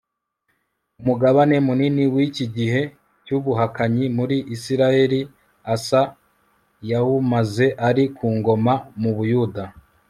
Umugabane munini wiki gihe cyubuhakanyi muri Isirayeli Asa yawumaze ari ku ngoma mu Buyuda